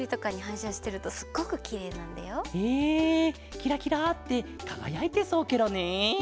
キラキラってかがやいてそうケロね。